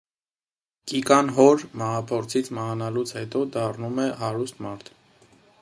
Կիկան հոր՝ մահափորձից մահանալուց հետո դառնում է հարուստ մարդ։